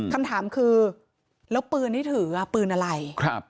คำถามคือแล้วปืนที่ถือปืนอะไร